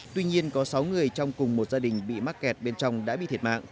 tuy nhiên có sáu người trong cùng một gia đình bị mắc kẹt bên trong đã bị thiệt mạng